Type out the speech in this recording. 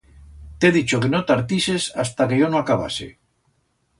T'he dicho que no tartises hasta que yo no acabase.